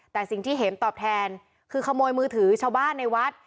แต่สิ่งที่เห็มตอบแทนคือขโมยมือถือชาวบ้านในวัด